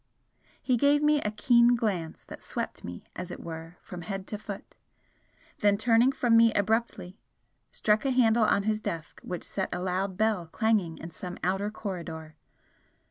He gave me a keen glance that swept me as it were from head to foot then turning from me abruptly, struck a handle on his desk which set a loud bell clanging in some outer corridor.